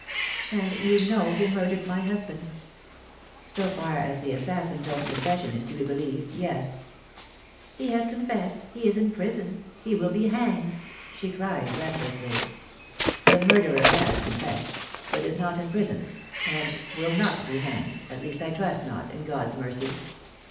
"And you know who murdered my husband?" "So far as the assassin's own confession is to be be lieved, yes." "He has confessed — he is in prison — he will be hanred," she cried breathlessly. "The murderer has confessed — but is not in prison — and will not be hanged — at least I trust not, in God's mercy."